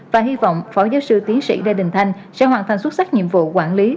và hy vọng phó giáo sư tiến sĩ lê đình thanh sẽ hoàn thành xuất sắc nhiệm vụ quản lý